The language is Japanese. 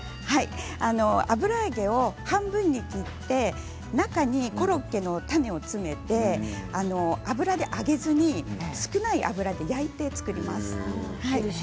油揚げを半分に切って中にコロッケのタネを詰めて入れて油で揚げずに少ない油で焼いて作ります。